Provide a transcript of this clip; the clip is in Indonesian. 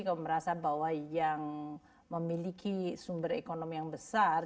kamu merasa bahwa yang memiliki sumber ekonomi yang besar